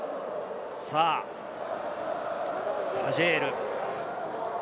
タジェール。